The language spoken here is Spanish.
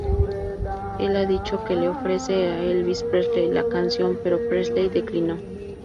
Él ha dicho que le ofreció a Elvis Presley la canción, pero Presley declinó.